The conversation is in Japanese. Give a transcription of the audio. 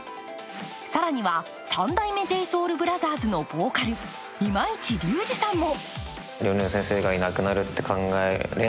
更には三代目ＪＳＯＵＬＢＲＯＴＨＥＲＳのボーカル、今市隆二さんも。